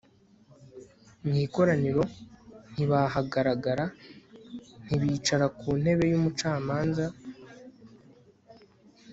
mu ikoraniro ntibahagaragara ntibicara ku ntebe y'umucamanza